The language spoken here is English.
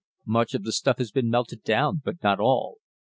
"Much of the stuff has been melted down, but not all."